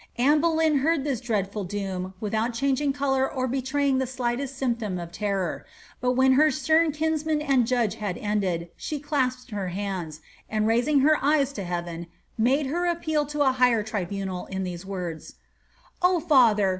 Anne Bolejn heard this dreadful doom without changing colour or betraying the slightest symptom of terror, but when her stem kinsman and judse had ended, she clasped her hands, and, raising her eyes to heaven, maSe her appeal to a higher tribunal, in these words :^ Oh Father!